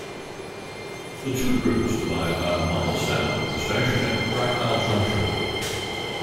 The two routes divide about a mile south of the station at "Dryclough Junction".